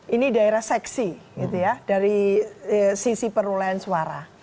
ini daerah seksi dari sisi perulahan suara